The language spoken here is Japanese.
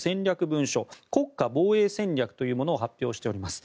文書国家防衛戦略というものを発表しています。